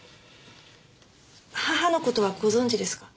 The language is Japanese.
母の事はご存じですか？